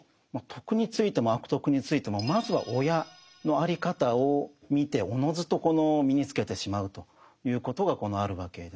「徳」についても「悪徳」についてもまずは親のあり方を見ておのずと身につけてしまうということがあるわけです。